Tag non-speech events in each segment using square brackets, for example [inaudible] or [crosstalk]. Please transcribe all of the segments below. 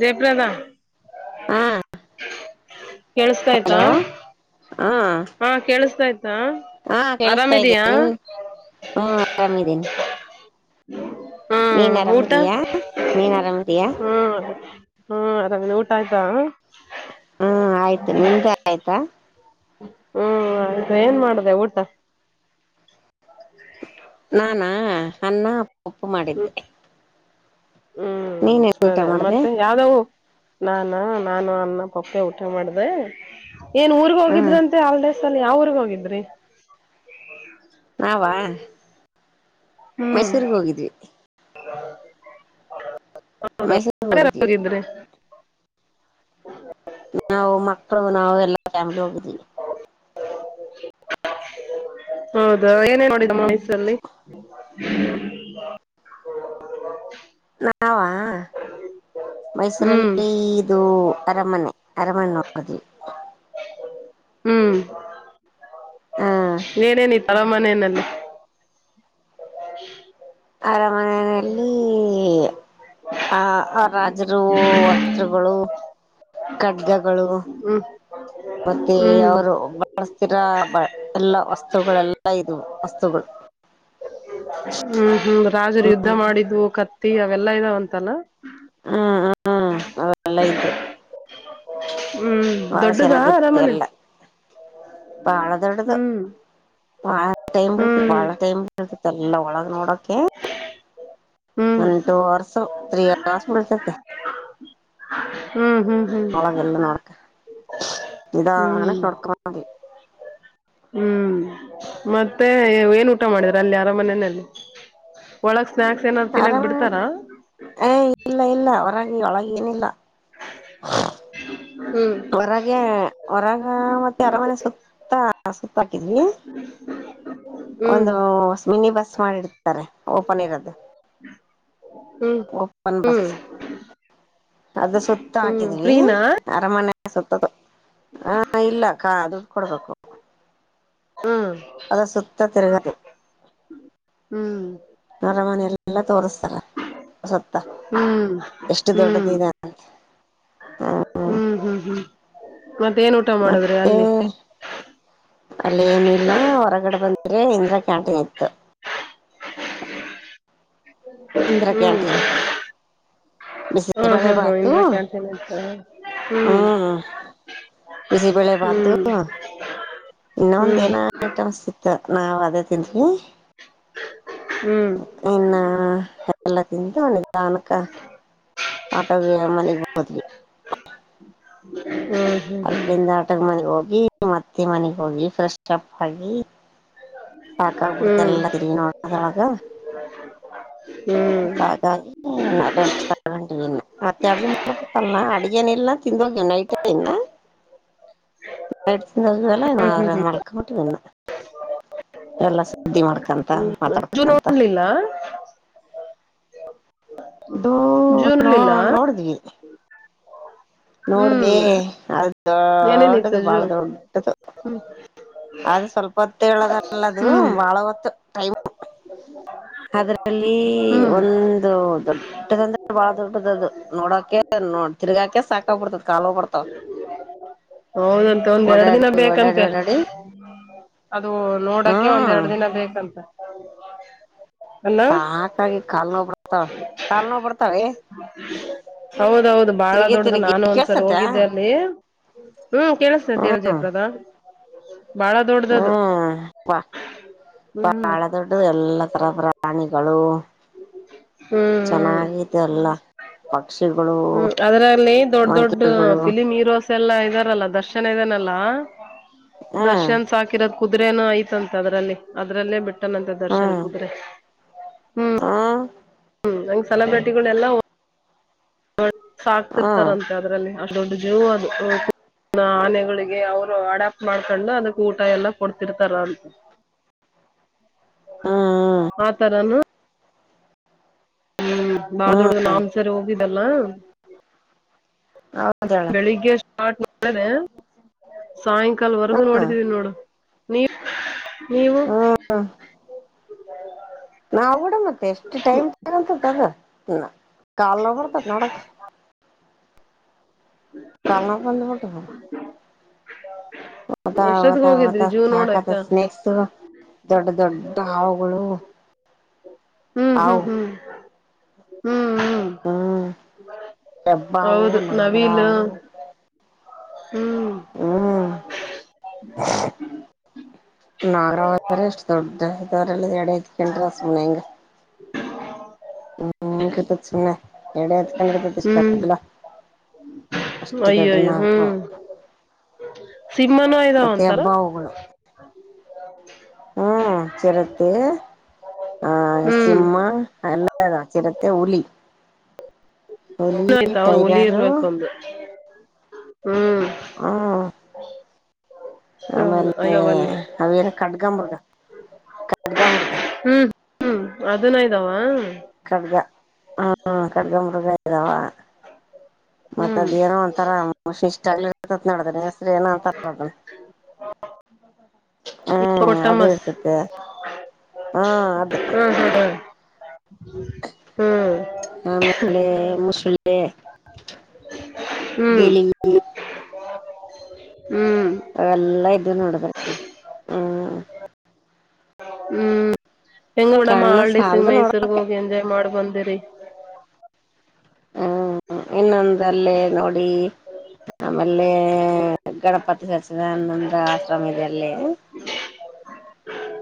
ಜಯ್ಪ್ರಾದ ಹಾ ಕೇಳಸ್ತಾಯ್ತಾ ಹಲೋ ಹಾ ಹಾ ಕೇಳಿಸತಾಯ್ತೆ. ಹಾ ಕೇಳಸ್ತಾ ಇದ್ದೇನೆ ನಿನ್ ಹಾ ಆರಾಮಿದಿನಿ [inaudible] ನೀನ್ ಊಟ ಅರಮದಯಾ ನೀನ್ ಅರಮದಯಾ ಹ್ಮ್ ಹ್ಮ ಅದಂಗೆ, ಊಟ ಆಯ್ತಾ? ಹಾ ಆಯ್ತು, ನಿಂದು ಆಯ್ತಾ? ಹ್ಮ್ ಅಯದು ಏನ್ ಮಾಡದೆ ಊಟ ನಾನಾ ಸಣ್ಣ ಒಪ್ಪು ಮಾಡಿದ್ದೆ ಹ್ಮ್ ನೀನ್ ಏನ್ ಊಟ ಸರಿ ಮಾಡ್ದೆ ಮತ್ತೆ ಯಾವ್ದವು ನಾನ ನಾನು ಅನ್ನ ಪಪ್ಪೆ ಊಟೆ ಮಾಡ್ದೇ, ಏನ್ ಊರ್ಗ್ ಹ ಹೋಗಿದ್ರನ್ತೆ ಹಾಲಿಡೇಸಲ್ಲಿ, ಯಾವ ಊರ್ಗ್ ಹೋಗಿದ್ರಿ? ಹವಾ ಮೈಸೂರ್ಗ್ ಹೋಗಿದ್ವಿ ಹ ಮೈಸೂರ್ಗ್ ಹ ಹೋಗಿದ್ವಿ [inaudible] [inaudible] ನಾವು ಮಕ್ಕಳು ನಾವು ಎಲ್ಲಾ ಫ್ಯಾಮಿಲಿ ಹೋಗಿದ್ವಿ ಹೌದ ಏನೇನ್ ನೋಡಿದ್ರಿ ಸಲ್ಲಿ [unintelligible] ನಾ ನಾವಾ ಹ್ಮ್ ಮೈಸೂರಲ್ಲಿ ಇದು ಅರಮನೆ ಅರಮನೆ ನೋಡುದ್ವಿ ಹ್ಮ್ ಹ ಏನೇನ್ ಇತ್ತ ಅರಮನೆನಲ್ಲಿ ಮನೆಯಲ್ಲಿ ಆ ಆ ರಾಜರು ವಸ್ತ್ರಗಳು ಖಡ್ಗಗಳು ಹ್ಮ್ ಮತ್ತೆ ಹ್ಮ್ ಅವರು ಬಳಸ್ತಿರಾ ಬ ಎಲ್ಲಾ ವಸ್ತುಗಳೆಲ್ಲಾ ಇದ್ವು ವಸ್ತುಗಳು ಹ್ಮ್ ಹ್ಮ್ ರಾಜರು ಹ್ಮ ಯುದ್ಧ ಮಾಡಿದ್ದು ಖತ್ ತೀ ಅವೆಲ್ಲಾ ಇದಾವಂತಲ್ಲ. ಹ್ಮ್ ಹ್ಮ್ ಅವೆಲ್ಲ ಇದ್ದು. [inaudible] ಹ್ಮ್ ಬಹಳ ದೊಡ್ಡದಾ ಚೆನ್ನಾಗಿತ್ತು ಅರಮನೆ. ಎಲ್ಲ ಹ್ಮ್ ಹಾ. ಟೈಮ್ ಬಿಳತು ಹ್ಮ್ ಬಾಳ ಟೈಮ್ ಬಿಳತು ಟೈಮ್ ಎಲ್ಲ ಒಳಗ ನೋಡಕೆ ಹ್ಮ್ one two hours three hours ಬೀಳ್ತೈತೆ ಹ್ಮ್. ಹ್ಮ್ ಹ್ಮ್ ಒಳಗೆಲ್ಲ ನೋಡಕ ಹ್ಮ್ ನಿದಾನಕ್ ನೋಡ್ಕೋ ಬಂದ್ವಿ. ಹ್ಮ್ ಮತ್ತೆ ಏನ್ ಊಟ ಮಾಡಿದ್ರಿ ಅಲ್ಲಿ ಅರಮನೆನಲ್ಲಿ ಒಳ. ಆರಾಮ ಅದಾರಿ ಹೇ ಇಲ್ಲ ಇಲ್ಲ ಓರೆಗೆ ಒಳಗ. ಏನಿಲ್ಲಾ [inaudible] ಹೊರಗೆ ಹೊರಗ ಮತ್ತೆ ಅರಮನೆ ಸುತ್ತ. ಹಾಕಿದ್ವಿ ಹ್ಮ್ ಒಂದು ಮಿನಿ ಬಸ್ ಮಾಡಿಡ್ತಾರೆ ಓಪನ್ ಇರೋದು ಹ್ಮ್ ಒಪ್ಪನ್ ಹ್ಮ್ ಬಸ್ ಹ್ಮ್ ಅದು ಸುತ್ತ ಹಾಕಿದ್ವಿ ಫ್ರೀನಾ ಅರಮನೆ ಸುತ್ತೋದು ಹಾ ಇಲ್ಲ ಕಾ ದುಡು ಕೊಡ್ಬೇಕು ಹ್ಮ [inaudible] ಅ ಸುುತ್ತ ತಿರಗದು ಹ್ಮ್ ಅರಮನೆ ಎಲ್ಲಲ್ಲಾ ತೋರಿಸ್ತಾರ ಸುತ್ತ ಹ್ಮ್ ಹ್ಮ್ ಹ್ಮ ಮತ್ತ ಏನ್ ಊಟ ಮಾಡುದ ಹ್ಮ್ ಅಲ್ಲಿ ಏನಿಲ್ಲ ಹೊರಗಡೆ ಬಂದ್ ರೇ ಇಂದ್ರ ಕ್ಯಾಂಟೀನ್ ಇತ್ತು ಇಂದ್ರ ಹ್ಮ್ ಕ್ಯಾಂಟೀನ್ ಹಾ ಬಿಸಿಬೆಳೆ ಹಾ ಹಾ ಬಾತು ಇಂದಿರಾ ಕ್ಯಾಂಟೀನ್ ಅಂತ ಹ್ಮ್, ಬಿಸಿಬೇಳೆಬಾತು ಹ್ಮ್ ಇನ್ನ ಹ್ಮ್ ಒಂದೇನೋ ಐಟಮ್ಸ್ತಿತ್ತು. ದ್ ನಾವ್ ಅದೇ ತಿಂತೀನಿ ಹ್ಮ್ ಇನ್ನ ಎಲ್ಲ ತಿಂದು ಒ ನಿಧಾನಕ್ಕ ಆಟೋಗೆ ಮನೆಗ್ ಹೋದ್ಿ [unintelligible] ಹ್ಮ್ ಅಲ್ಲಿಂದ ಆಟದ್ ಮನೆಗ್ ಹೋಗ್ ಮತ್ತೆ ಮನೆಗ್ ಹೋಗಿ ಫ್ರೆಶ್ ಅಪ್ ಆಗಿ ಹ್ಮ್ ಸಾಕಾಗಬಿಡ್ತಲ್ಲಲ್ಲ ತಿರಿವಿ ನೋಡದೊಳಗ ಹ್ಮ್ ಸಾಕಾಗಿ ರೆಸ್ಟ್ ತಗೊಂಡಿವ ಇನ್ನು ಮತ್ತೆಡಿ ಮಾಡ್ಬೇಕಲ್ನ ಅಡ್ಗೇನ ಇಲ್ನ ತಿಂದೋಗವಿ ನೈಟ್ ಇನ್ನ ಲ್ಲ ಅವರ ಹ್ಮ್ ಹ್ಮ್ ಮೊಳಕ [unintelligible] ಎಲ್ಲಾ ಸುದ್ದಿ ಮಾಡ್ಕಂತ, ಜೂನ್ ಮಾತಾಡ್ಕಂತ ನೋಡ್ಲಿಲ್ಲ ಇದುೂ ಜೂನ್ ನೋ ನೋಡ್ಲಿಲ್ಲ ನೋಡಿದ್ವಿ ಹ್ಮ್ ನೋಡ್ದೇ ಅದ್ ಏನೇನಿತ್ತು ದೊಡ್ಡದು ಬಾಳ ಜೂ ದೊಡ್ಡದು ಆದದು ಸ್ವಲ್ಪ ಹೊತ್ತ ಹೇಳದಲ್ಲದು ಹ್ಮ್ ಬಾಳ ಹೊತ್ತು ಟೈಮ್ ಅದ್ರಲ್ಲಿ ಹ್ಮ್ ಒಂದು ದೊಡ್ಡದಂದ್ರೆ ಬಾಳ ದೊಡ್ಡದದು ನೋಡಕೆ ನೋ ತಿರ್ಗಾಕ ಸಾಕಾಗ್ಬಿಡ್ತದ ಕಾಾಲ ಹೋಗ್ಬಡ್ತಾವ ಹೌದಂತೆ ಒಂದ್ ಎರಡ್ ದಿನ ಓಡಾಡಿ ಬೇಕಂತೆ ಓಡಾಡಿ ಅದು ನೋಡಕೆ ಹ್ಮ್ ಒಂದೇರೇಡ್ ರಡ್ ದಿನ ಬೇಕಂ [inaudible] ಸಾಕಾಗಿ ಕಾಲ್ ನೋ ಬರ್ತಾವ ಕಾಲ್ ನೋ ಬರ್ತಾವೆ ಹೌದೌದು ಬಾಳ ತಿರ್ಗಿ ದೊಡ್ಡದು ತಿರ್ಗಿ ನಾನು ಒಂದ್ಸರಿ ಕೇಳ್ಸತ್ತ ಹೋಗಿದ್ದೆ ಅಲ್ಲಿ [inaudible] ಹ್ಮ್ ಕೇಳಿಸ್ತರ್ ತೇವ ಹ್ಮ್ ಜಯಪುರದ ಹ್ಮ್ ಕ್ವಾ ಬಾ ಹ್ಮ್ ಬಾಳ ದೊಡ್ಡದು ಎಲ್ಲ ತ ತರ ಪ್ರಾಣಿ ಗಳು ಹ್ಮ್ ಚೆನ್ನಾಗಾಗಿದೆ ಅಲ್ಲ ಹ ಹ್ಮ್ ಅದ್ರಲ್ಲಿ ದೊಡ್ಡ ದೊಡ್ ಮಂಕಿಗಳು ಫಿಲಿಮ್ ಹೀರೋಸ್ ಎಲ್ಲ ಇದಾರಲ್ಲ ದರ್ಶ್ ಚೆನ್ನ ಇದಾನಲ್ಲ ಹ್ಮ್ ದರ್ಶನ್ ಸಾಕಿರದ್ ಕುದುರೆನು ಐತಂತೆ ಅದ್ರಲ್ಲಿ ಅದ್ರಲ್ಲೇ ಬಿಟ್ ಪಟ್ಟನಂತೆ ದರ್ಶನ್ ಹ್ಮ್ ಕುದುರೆ ಹ್ಮ್ ಹ್ಮ್ ಹಂಗ್ ಸೆಲೆಬ್ರಿಟಿಗಳೆಲ್ಲ ಹ್ಮ್ ಸಾಕ್ತಿರ್ತಾರಂತೆ ಅದ್ರಲ್ಲಿ ಅಷ್ಟ್ ದೊಡ್ ಜೀವ ಅದು [unintelligible] ಆನೆಗಳಿಗೆ ಅವರು ಅಡ್ಯಾಪ್ಟ್ ಮಾಡ್ಕೊಂಡು ಅದಕ್ ಊಟ ಎಲ್ಲ ಕೊಡ್ತಿರ್ತಾರ ಅಂತ ಹ್ಮ್ ಆತರನು ಹ್ಮ್ ಬಾ ಹ್ಮ್ ದೊಡ್ದು ನಾಮ್ಸರಿ ಹೋಗಿದ್ದಲ್ಲ ಹೌದಳ ಬೆಳಿಗ್ಗೆ ಸ್ಟಾರ್ಟ್ ಹದ ಸಾಯಂಕಾಲ್ವರ್ಗೂ ಹ್ಮ್ ನೋಡಿದೀವಿ ನೋಡು ನೀರ್ ನೀವು ನಾವ ಬಿಡ ಮತ್ತೆ ಎಷ್ಟು ಟೈಮ್ ತಗಂತದ ಅದ ಕಾಲ್ೋಗಬರ್ತದ ನೋಡಕ ದ ಎಷ್ಟೊತ್ತಿಗೆ ದದ ಹೋಗಿದ್ರಿ ಜೂ ಹಕ ನೋಡಕ್ಕ ಸ್ನಕ್ಸ್ ದೊಡ್ ದೊಡ್ಡ ಹಾವುಗಳು ಹ್ಮ್ ಹ್ಮ್ ಹಾವು ಹ್ಮ್ ಹ್ಮ್ ಹ್ಮ್ ಹ್ಮ್ ಹೆಬ್ಬಾವು ಹೌದು ನವಿಲ್ ನಾಗ್ರಾವು ಹ್ಮ್ ಹ್ಮ್ ನಾಗರಾವಾದ ತರಾ ಇಸ್ಟ ದೊಡ್ಡದತಿ ರಲ್ಲ ಎಡೇ ಎತ್ಕೊಂಡ್ರ ಸುನೆಂಗ [unintelligible] ಹ್ಮ್ ತಲ್ಲ ಅಯ್ಯೋ ಅಯ್ಯೋ ಹ್ಮ್ ಸಿಂಹನು ಇದ್ದಾವ ಮತ್ತೆ ಅಂತಾರು. ಹೆಬ್ಬಾವುಗಳು ಹ್ಮ್ ಚರತೆ ಆ್ ಹ್ಮ್ ಸಿಮ್ಮ ಎಲ್ಲದಾ ಸ್ರತೆ ಹುಲಿ ಹುಲಿ ಆಯ್ತ ಅವರು ಒಲಿ ಟೈಗರು ಇರ್ಬೇಕ ಒಂದು ಹ್ಮ್ ಹ್ಮ್ ಹೌದು ಆಮೇಲೆ ಅಯ್ಯವಲ್ಲಿ ಅವೇನ ಕಡ್ಗಾ ಮೃಗ ಖಡ್ಗಾ ಮರ್ಗ. ಹ್ಮ್ ಹ್ಮ್ ಅದನ್ನ ಇದಾವ ಕಡಗ ಹ್ಮ್ ಕಡಗ ಮುೃಗ ಇದ್ದಾವ ಮತ್ತ ಹ್ಮ್ ಅದ್ ಏನೋ ಒಂತರ [inaudible] ಇಷ್ಟ ತ್ ನಡ್ದ್ರ ಹೆಸರಿ ಏನ ಅಂತರ ಈ ಹ್ಮ್ ಅದು ಕೊಟ್ಟಮಸ್ ಇರ್ತತಿ ಹ್ಮ ಅದು ಹ್ಮ್ ಹ್ಮ್ ಹ್ಮ್ ಆಮೇಲೆ [unintelligible] ಗೆ ಹ್ಮ್ ಗಿಳಿ ಹ್ಮ್ ಹ್ಮ್ ಅ ಎಲ್ಲಾ ಇದ್ದು ನೋಡದ ಅಕ್ಕಿ ಹ್ಮ ಹ್ಮ್ ಹೆಂಗ್ ಉಡಮ್ಮ ಕಣ್ಣ ಹಾಲ್ಡೇಸ್ ಸಾಲದು ನೋಡ ಮೈಸೂರ್ ಹೋಗಿ ಎಂಜಾಯ್ ಮಾಡ್ ಬಂದಿರ [unintelligible] ಹ್ಮ್ ಇನ್ನೊಂದಲ್ಲೇ ನೋಡಿ ಆಮೇಲೆೇ ಗಣಪತಿ ಸಚ್ಚಿದಾನಂದ ಆಶ್ರಮ ಇದೆ ಅಲ್ಲೇ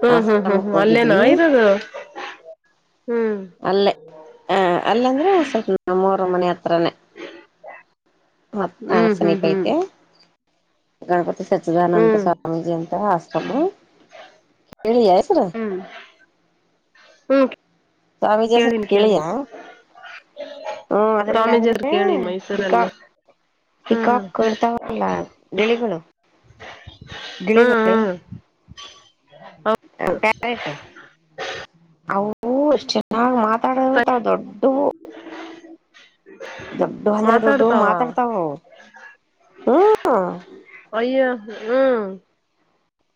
ಹ್ಮ್ ಹ್ಮ್ ಹ್ಮ್ ಆಶ್ರಮಕ್ ಹ್ಮ್ ಅಲ್ಲೇನಾ ಹೋಗಿದ್ವಿ ಇರೋದು ಹ್ಮ್ ಅಲ್ಲೇ ಹ ಅಲ್ಲ ಅಂದ್ರೆ ಸ್ವಲ್ಪ ನಮೊರ್ ನಮ್ಮನೆ ಹತ್ರಾನೆ ಹ್ಮ್ ಹ್ಮ್ [unintelligible] ಹ್ಮ್ ಐತೆ ಗಾ ಸಚ್ಚಿದಾನಂದ ಹ್ಮ್ ಸ್ವಾಮೀಜಿ ಅಂತ ಆಶ್ರಮ ಕೇಳಿದೀಯಾ ಹೆಸ್ರು ಹ್ಮ್ ಹ್ಮ್ ಸ್ವಾಮೀಜಿ ಹೆಸರ್ ಕೇಳಿನ್ ಕೇಳಿಯ ಕೇಳಿನ್ ಹ್ಮ ಅದ್ರಲ್ ಸ್ವಾಮೀಜಿ ಹತ್ರ ಆದ್ರಲ್ಲಿ ಕೇಳಿನ್ ಮೈಸೂರಲ್ಲೇ ಪಿಕಾಕ್ ಹ್ಮ್ ಪಿಕಾಕ್ ಇರ್ತಾವಲ್ಲ ಗಿಳಿಗಳು ಹ್ಮ್ ಗಿಳಿಗಳು ಹ್ಮ್ ಪ ಪ್ಯಾರೆಟ್ ಅವು ಹೂ ಅಷ್ಟ್ ಚೆನ್ನಾಗ್ ತ ಹಟ ದೊಡ್ಡ ಹ ದೊಡ್ಡು ಅಂದ್ರೆ ದೊಡ್ಡು ಮಾತಾಡ್ತಾವ ಮಾತಾಡ್ತಾವ ಹ್ಮ ಅಯ್ಯ ಹ್ಮ್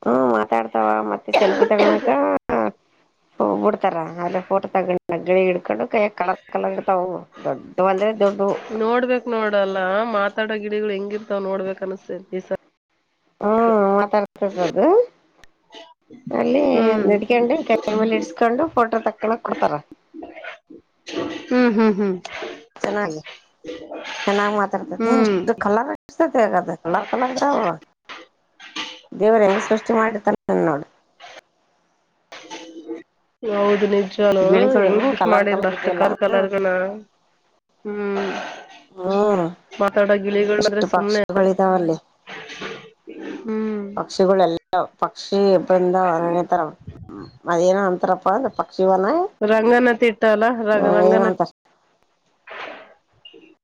ಹ್ಮ ಮಾತಾಡ್ತಾವ ಮತ್ತೆ ಸೆಲ್ಫಿ ತಗಣಕ ಹ್ ಬಿಡ್ತಾರಾ ಅಲ್ಲೇ ಫೋಟೋ ತಗೊಂಡ ಜಳಿ ಎಡ್ಕೊಂಡ ಕಲರ್ ಕಲರ್ತ ದೊಡ್ಡ ಬಂದ್ರೆ ದೊಡ್ಡು ನೋಡ್ಬೇಕ್ ನೋಡ್ಬೇಕ ಅನ್ಿಸ್ತದೆ ಈ ಹ್ಮ್ ಮಾತಾಡ್ತ ದು ಹ್ಮ್ ಅಲ್ಲಿದ್ ನಡ್ಕೊಂಡು ಕೆೇಲೆ ಇಡ್ಸ್ಕೊಂಡು ಫೋಟೋ ತಕ್ಕಳಕ್ ಕೊಡ್ತಾರ ಹ್ಮ್ ಹ್ಮ್ ಹ್ಮ್ ಚೆನ್ನಾಗಿ ಚೆನ್ನಾಗ್ ಮಾತಾಡ್ತತಿ ಹ್ಮ್ ಅಷ್ಟು ಕಲರ್್ತೈತೆಗ ಕಲರ್ ಕಲರ್ ದೇವರ ಹೆಂಗ ಸೃಷ್ಟ ು ಮಾಡಿತ ನ ನೋಡು ಹೌದು ನೀ ಷನು ಗಿಳಿಗಳು ಹೆಂಗ್ ುಷ್ ಕಲರ್ ಮಾಡಿರ್ ಕಲರ್ ಬಸ್ ಇದ್ವಲ್ಲ ಕರ್ ಕಲರ್ಗನ ಹ್ಮ್ ಹ್ಮ್ ಮಾತಾಡೋ ಗಿಳಿಗಳ್ ಆದ್ರೆ ಎಷ್ಟು ಪಕ್ಷಿಗಳಿದಾವಲ್ಲಿ ಹ್ಮ ಪಕ್ಷಿಗಳೆಲ್ಲ ಹಾ ಪಕ್ಷಿ ಬಂದನ ತರ ಅದ್ೇಏನ ಅಂತಾರಪ್ಪ ಅಂದ ಪಕ್ಷಿವನ ರಂಗನತಿ ಏನಂತಾರ ಹ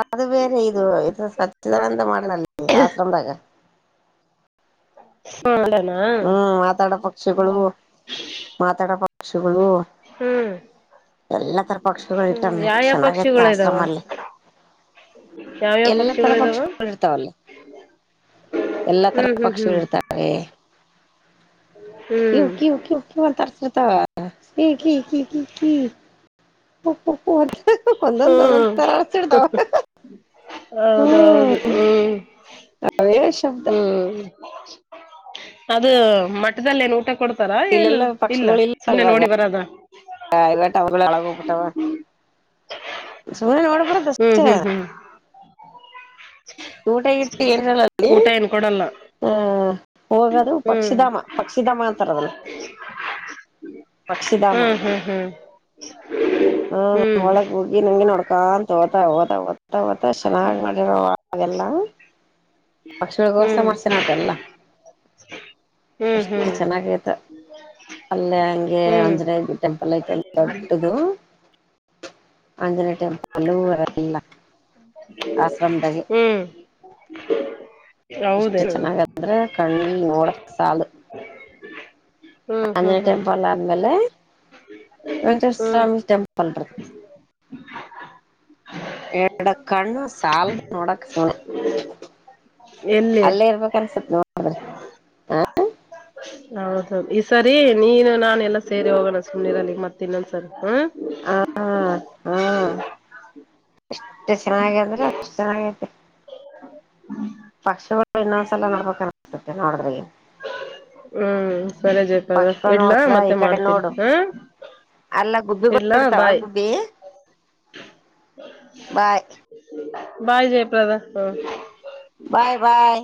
ಅದು ಬೇರೆ ಇದು ಇದು ಸ್ವಚ್ಚಿದಾನಂದ ಮಾಡನಲ್ಲಿ ಆಶ್ರಮದಾಗ ಹ್ಮ ಅದ ಹ್ಮ್ ಆತಡ ಪಕ್ಕ ಶಗಳು ಮಾತಾಡ ಶುಭ ಹ್ಮ್ ಎಲ್ಲಾ ತರ ಪಕ್ಷಿಗಳು ಹ್ಮ್ ಇಟ್ಟವ ಯಾವ್ಯಾವ ಚೆನ್ನಾಗತೆ ಪಕ್ಷಿಗಳ ಇದಾವ ಆಶ್ರಮಲ್ಲಿ ಯಾವ್ಯಾವ ಎಲ್ಲಾ ತರ ಪಕ್ಷಿಗಳ ಇದಾವ ಪಕ್ಷಿಗಳು ಇರ್ತಾವಲ್ಲಿ ಎಲ್ಲಾ ತರ ಹ್ಮ್ ಹ್ಮ್ ಹ್ಮ್ ಪಕ್ಷಿಗಳು ಇರ್ತಾವ ಕವು ಹ್ಮ್ ಕವು ಕವು ಕವ ಅಂತ ತರ್ಸ ಹ [unintelligible] ಒಂದೊಂದ್ ಹ್ಮ ಒಂದೊಂದ್ ತರ ಅರ್ಸಿರ್ತಾವ ಹ್ಮ್ ಹೌದೌದು ಹ್ಮ್ ಅವೇ ಶಬ್ದ ಹ್ಮ್ ಅದು ಮಠದಲ್ಲೇ ಊಟ ಕೊಡ್ತ ಇಲ್ಲೆಲ್ಲ ಪಕ್ಷಿಗಳು ಇಲ್ಲ ಇವಾಗ ಬರದ ಇವಗಳ ಒಳಗೋಗ್ಬಿಟ್ಟವ ಸುನ ನೋಡ ಪೂರ ದ ಹ್ಮ್ ಹ್ಮ್ ಹ್ಮ್ ಊಟಗ ಏರಲ್ಲಿ ಊಟ ಏನ್ ಕೊಡಲ್ಲ ಹ್ಮ್ ಹೋಗದು ಹ್ಮ್ ಪಕ್ಷಿಧಾಮ ಪಕ್ಷಿಧಾಮ ಅಂತಾರದಲ್ಲ ಪಕ್ಷಿಧಾಮ ಹ್ಮ್ ಹ್ಮ್ ಹಾ ಹ್ಮ್ ಒಳಗ್ ಹೋಗಿ ನಂಗೆ ನೋಡ್ ಕಾಂತೋತ ಗತ್ತ ಗತ್ತಾ ಚೆನ್ನಾಗಿ್ ಮಾಡಿರೋ ಆಾಗೆಲ್ಲ ಪಕ್ಷಿಗಳಗೋಸ ಹ್ಮ್ ಮಾಡ್ಸನತ ಎಲ್ಲ ಹ್ಮ್ ಹ್ಮ್ ಎಷ್ಟು ಹ್ಮ್ ಚೆನ್ನಾಗೈತ ಅಲ್ಲೇ ಹಂಗೆ ಹ್ಮ್ ಹ್ಮ್ ಆಂಜನೇ ಟೆಂಪಲ್ ಐತ ದೊಡ್ಡದು ಆಂಜನೇಯ ಟೆಂಪಲ್ ಎಲ್ಲ ಆಶ್ರಮದಾಗೆ ಹ್ಮ್ ಇಷ್ಟು ಹೌದೇನು ಚೆನ್ನಾಗಂದ್ರೆ ಕಣಲ್ ನೋಡ ಸಾಲು ಹ್ಮ್ ಹ್ಮ್ ಆಂಜನ ಹ್ಮ್ ಟೆಂಪಲ್ ಆದ್ಮೇಲೆ [unintelligible] ಹ್ಮ್ ಸ್ವಾಮಿ ಟೆಂಪಲ್ ಎಡ ಕಣ್ಣು ಸಾಲದು ನೋಡಕ್ ಎಲ್ಲಿ ಅಲ್ಲೇ ಇರ್ಬೇಕ ಅನ್ಸತ್ ನೋಡು, ಆ - ಹೌದೌ ಈ ಸರಿ ನೀನು ನಾನ ಎಲ್ಲಾ ಸೇರಿ ಹೋಗೋಣ ಸುಮನೆೀರಲ್ಲಿ ಮತ್ತ ಇನ್ನೊಂದ್ಸರಿ ಹ್ಮ ಹ ಎಷ್ಟು ಚೆನ್ನಾಗ ಅಂದ್ರ ಸನಾಗ್ಯತೆ ಪಾಸ ಇನ್ನೊಂದ್ಸಲ ನೋಡ್ಬೇಕು ಅನಿಸತುತ್ತೆ ನೋಡ್ರಿಗೆ ಹ್ಮ್ ಸರಿಜೇಕಾದ್ರ ಪಕ್ಷಿಗಳು ಇಡ್ಲಾ ನೋಡ್ದ ಮತ್ತೆ ಈ ಮಾಡ್ತೀನಿ ಹಾ ಗುಬ್ಬಿ ಕೊಡಾಡ್ತಾವ ಗುಬ್ಬಿ ಬಾಯ್ ಬಾಯ್ ಜಯಪ್ರದ ಹು. ಬಾಯ್ ಬಾಯ್